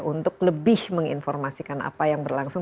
untuk lebih menginformasikan apa yang berlangsung